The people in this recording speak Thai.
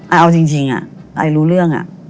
เอาจริงไอ้รู้เรื่อง